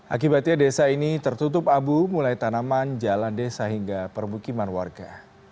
akibatnya desa ini tertutup abu mulai tanaman jalan desa hingga permukiman warga